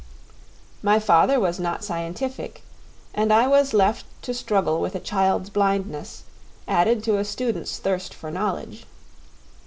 My father was not scientific, and I was left to struggle with a child's blindness, added to a student's thirst for knowledge.